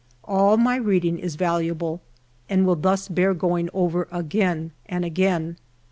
All my reading is valuable, and will thus bear going over again and again.